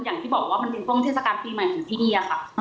อย่างที่บอกว่ามันเป็นช่วงเทศกาลปีใหม่ของที่ดีอะค่ะ